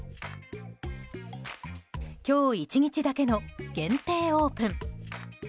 今日１日だけの限定オープン。